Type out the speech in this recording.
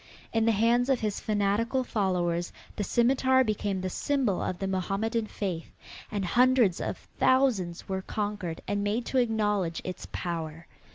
In the hands of his fanatical followers the scimitar became the symbol of the Mohammedan faith and hundreds of thousands were conquered and made to acknowledge its power.